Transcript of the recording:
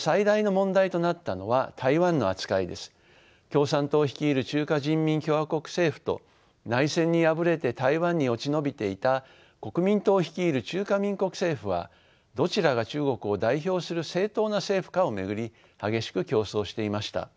共産党率いる中華人民共和国政府と内戦に敗れて台湾に落ち延びていた国民党率いる中華民国政府はどちらが中国を代表する正統な政府かを巡り激しく競争していました。